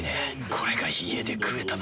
これが家で食えたなら。